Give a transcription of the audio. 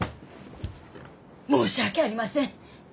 申し訳ありません。